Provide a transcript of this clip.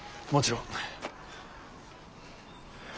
もちろん。